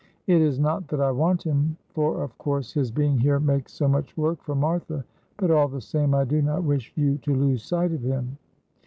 It is not that I want him, for of course his being here makes so much work for Martha, but all the same, I do not wish you to lose sight of him."